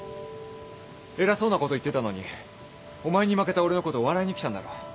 偉そうなこと言ってたのにお前に負けた俺のことを笑いに来たんだろ。